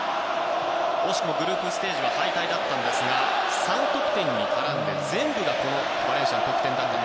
惜しくもグループステージは敗退だったんですが３得点に絡んで全部がバレンシアの得点でした。